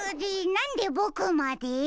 なんでボクまで？